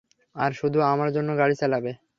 আর শুধু আমার জন্য গাড়ি চালাবে।